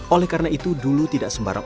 oleh karena itu dulu tidak sembarang